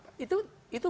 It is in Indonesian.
pak itu itu